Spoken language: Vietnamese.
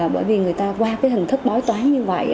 bởi vì người ta qua cái hình thức bói toán như vậy